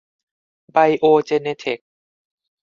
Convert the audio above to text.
ไบโอเจเนเทค